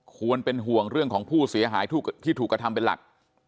ควรเป็นห่วงเรื่องของผู้เสียหายที่ถูกกระทำเป็นหลัก